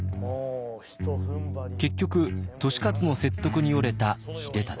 結局利勝の説得に折れた秀忠。